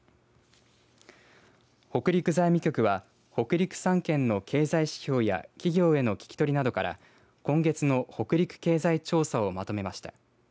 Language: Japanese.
北陸財務局は北陸３県の経済指標や企業への聞き取りなどから今月の北陸経済調査をまとめました。